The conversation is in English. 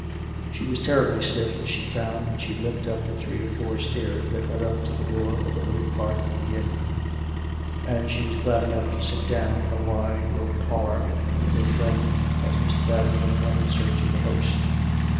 She was terribly stiff, as she found when she limped up the three or four stairs that led up to the door of the living part of the inn; and she was glad enough to sit down in a wide, low parlour with her friend as Mr. Babington went in search of the host.